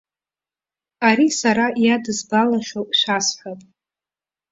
Абри сара иадызбалахьоу шәасҳәап.